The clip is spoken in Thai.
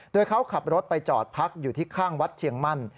โดยเขาขับรถไปจอดพักอยู่ที่ข้างวัดเชียงมั่น